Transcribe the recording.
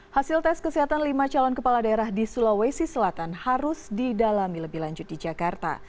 hasil tes kesehatan lima calon kepala daerah di sulawesi selatan harus didalami lebih lanjut di jakarta